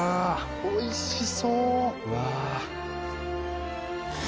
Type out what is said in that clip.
おいしそう。